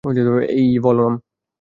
এই, বলরাম।